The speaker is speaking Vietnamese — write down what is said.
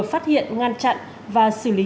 phát hiện ngăn chặn và xử lý